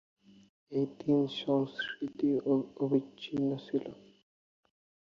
এই তিন সংস্কৃতি অবিচ্ছিন্ন ছিল।